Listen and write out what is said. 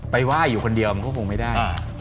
ไหว้อยู่คนเดียวมันก็คงไม่ได้